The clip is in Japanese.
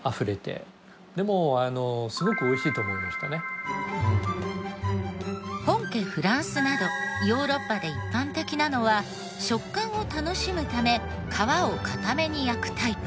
実は本家フランスなどヨーロッパで一般的なのは食感を楽しむため皮を硬めに焼くタイプ。